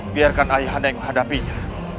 biarkan ayah anda yang hadapinya